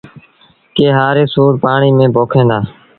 ڪي هآريٚ سُوڙ پآڻيٚ ميݩ پوکيݩ دآ